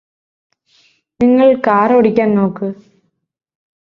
നിങ്ങള് കാറോടിക്കാൻ നോക്ക്